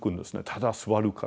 ただ座るから。